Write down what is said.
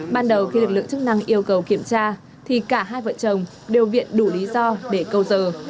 ban đầu khi lực lượng chức năng yêu cầu kiểm tra thì cả hai vợ chồng đều viện đủ lý do để câu giờ